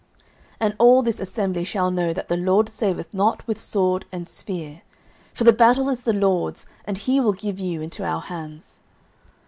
09:017:047 And all this assembly shall know that the LORD saveth not with sword and spear: for the battle is the LORD's, and he will give you into our hands.